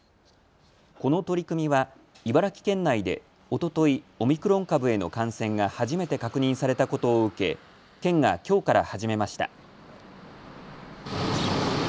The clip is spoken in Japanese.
この取り組みは茨城県内でおととい、オミクロン株への感染が初めて確認されたことを受け県がきょうから始めました。